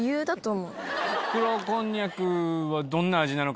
黒こんにゃくはどんな味なのか。